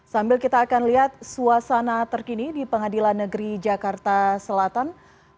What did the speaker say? sambil kita akan lihat suasana terkini di pengadilan negeri jakarta selatan